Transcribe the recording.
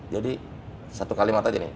jadi satu kalimat aja nih